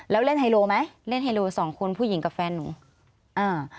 แล้วเล่นไฮโลไหมเล่นไฮโลสองคนผู้หญิงกับแฟนหนูอ่า